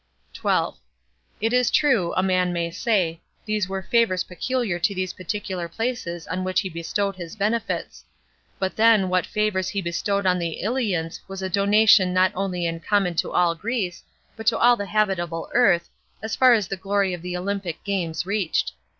12. It is true, a man may say, these were favors peculiar to those particular places on which he bestowed his benefits; but then what favors he bestowed on the Eleans was a donation not only in common to all Greece, but to all the habitable earth, as far as the glory of the Olympic games reached.